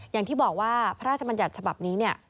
อย่างที่บอกว่าพระราชบัญญัติฉบับนี้เนี่ย